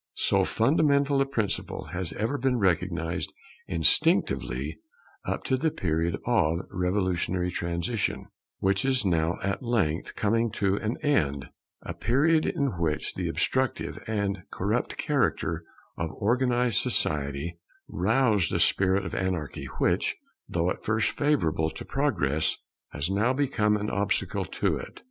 So fundamental a principle has ever been recognized instinctively up to the period of revolutionary transition, which is now at length coming to an end; a period in which the obstructive and corrupt character of organized society roused a spirit of anarchy which, though at first favourable to progress, has now become an obstacle to it.